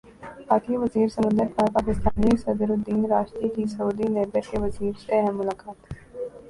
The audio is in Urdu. وفاقی وزیر سمندر پار پاکستانی صدر الدین راشدی کی سعودی لیبر کے وزیر سے اہم ملاقات